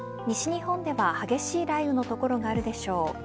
西日本では激しい雷雨の所があるでしょう。